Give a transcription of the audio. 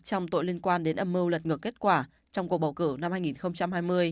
trong tội liên quan đến âm mưu lật ngược kết quả trong cuộc bầu cử năm hai nghìn hai mươi